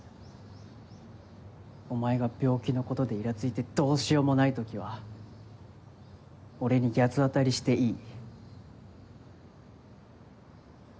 お前が病気のことでイラついてどうしようもない時は俺に八つ当たりしていい。